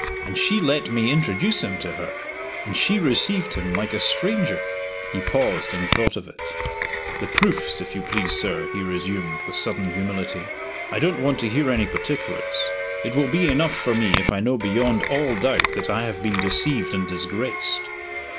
"And she let me introduce him to her. And she received him like a stranger." He paused, and thought of it. "The proofs, if you please, sir," he resumed, with sudden humility. "I don't want to hear any particulars. It will be enough for me if I know beyond all doubt that I have been deceived and disgraced."